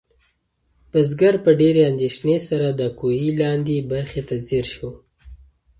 بزګر په ډېرې اندېښنې سره د کوهي لاندې برخې ته ځیر شو.